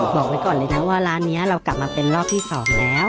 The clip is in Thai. บอกไว้ก่อนเลยนะว่าร้านนี้เรากลับมาเป็นรอบที่๒แล้ว